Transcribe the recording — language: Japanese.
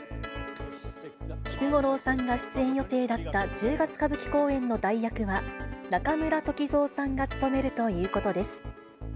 菊五郎さんが出演予定だった１０月歌舞伎公演の代役は、中村時蔵さんがつとめるということです。